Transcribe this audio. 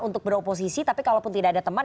untuk beroposisi tapi kalau pun tidak ada teman